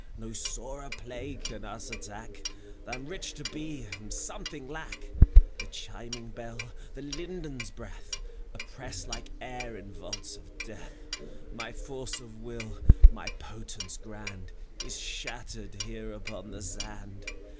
No sorer plague can us attack, Than rich to be, and something lack! The chiming bell, the lindens' breath, Oppress like air in vaults of death : My force of will, my potence grand, Is shattered here upon the sand.